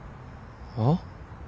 あっ？